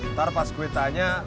ntar pas gue tanya